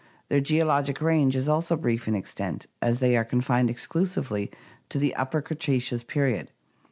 Their geologic range is also brief in extent, as they are confined exclusively to the Upper Cretaceous period.